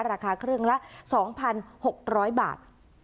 ราคาเครื่องละ๒๖๐๐บาท